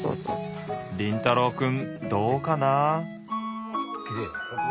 凛太郎くんどうかな？